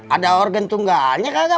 ada organ tunggalnya